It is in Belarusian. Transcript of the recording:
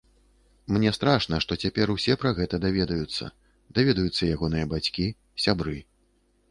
Мне страшна, што цяпер усе пра гэта даведаюцца, даведаюцца ягоныя бацькі, сябры.